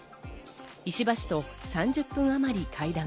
石破氏と３０分あまり会談。